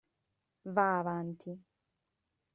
Va' avanti.